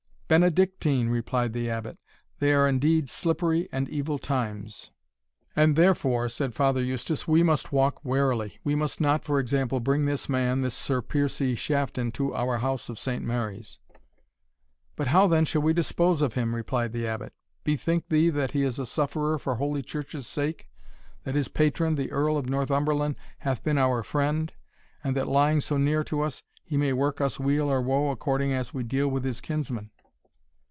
"Benedictine!" replied the Abbot, "they are indeed slippery and evil times." "And therefore," said Father Eustace, "we must walk warily we must not, for example, bring this man this Sir Piercie Shafton, to our house of Saint Mary's." "But how then shall we dispose of him?" replied the Abbot; "bethink thee that he is a sufferer for holy Church's sake that his patron, the Earl of Northumberland, hath been our friend, and that, lying so near us, he may work us weal or wo according as we deal with his kinsman."